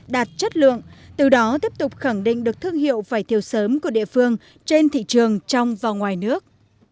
đạt chất lượng từ đó tiếp tục khẳng định được thương hiệu vải thiều sớm của địa phương trên thị trường trong và ngoài nước